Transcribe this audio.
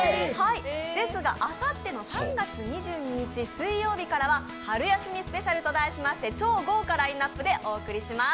ですが、あさっての３月２２日水曜日からは春休みスペシャルと題しまして超豪華ラインナップでお送りします。